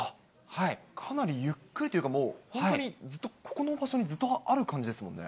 かなりゆっくりというか、本当にずっと、ここの場所にずっとある感じですもんね。